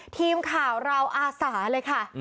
ทีมข่าวเราอาสาเลยค่ะ